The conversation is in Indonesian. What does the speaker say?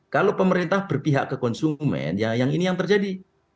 kalau pemerintah berpihak ke konsumen ya yang ini yang terjadi